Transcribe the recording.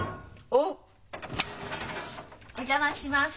お邪魔します。